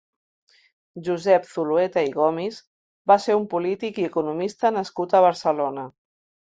Josep Zulueta i Gomis va ser un polític i economista nascut a Barcelona.